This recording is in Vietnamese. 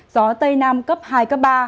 gió tây nam cấp hai cấp ba